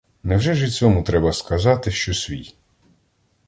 Невже ж і цьому треба сказати, що свій?